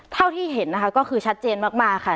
เท่าที่เห็นนะคะก็คือชัดเจนมากค่ะ